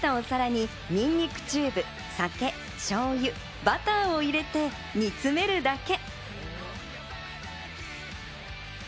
アルミで作ったお皿にニンニクチューブ、酒、しょうゆ、バターを入れて煮詰めるだけ。